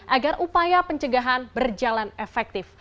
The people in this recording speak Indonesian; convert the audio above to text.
agar upaya pencegahan berjalan efektif